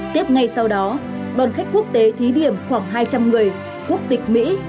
tiếp ngay sau đó đoàn khách quốc tế thí điểm khoảng hai trăm linh người quốc tịch mỹ